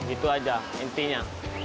itu aja intinya